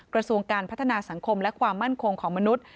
กระทรวงการพัฒนาสังคมและความมั่นคงของมนุษย์